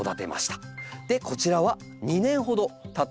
でこちらは２年ほどたった木です。